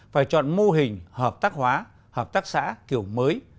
phải chọn mô hình hợp tác hóa hợp tác xã kiểu mới